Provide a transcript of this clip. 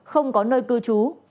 không có nơi cư trú